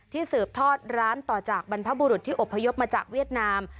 สืบทอดร้านต่อจากบรรพบุรุษที่อบพยพมาจากเวียดนาม